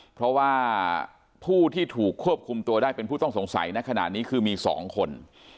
เพราะว่าผู้ที่ถูกควบคุมตัวได้เป็นผู้ต้องสงสัยในขณะนี้คือมี๒คน